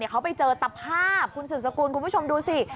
เขาไปเจอตภาพคุณสืบสกุลคุณผู้ชมดูสิ